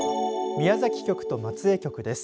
宮崎局と松江局です。